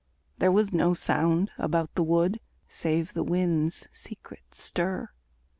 There was no sound about the wood Save the wind's secret stir.